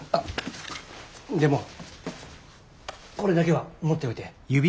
でもこれだけは持っておいて。